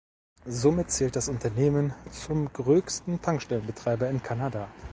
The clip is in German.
Somit zählt das Unternehmen zum größten Tankstellenbetreiber in Kanada.